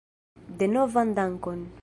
Denovan dankon.